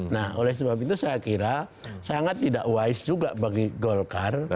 nah oleh sebab itu saya kira sangat tidak wise juga bagi golkar